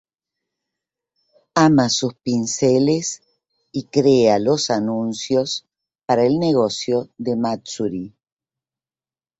Ama sus pinceles y crea los anuncios para el negocio de Matsuri.